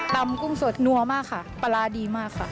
กุ้งสดนัวมากค่ะปลาร้าดีมากค่ะ